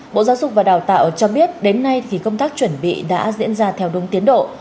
bộ giáo dục và đào tạo cho biết đến nay thì công tác chuẩn bị đã diễn ra theo đúng tiến độ